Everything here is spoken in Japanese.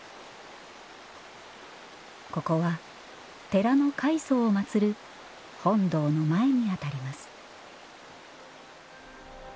ここは寺の開祖をまつる本堂の前にあたります